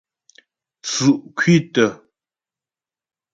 Tsʉ́' kwítə.